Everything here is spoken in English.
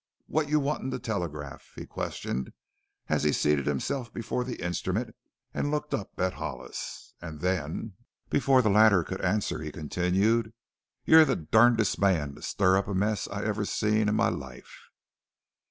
"What you wantin' to telegraph?" he questioned, as he seated himself before the instrument and looked up at Hollis. And then, before the latter could answer he continued: "You're the durndest man to stir up a muss I ever, seen in my life!"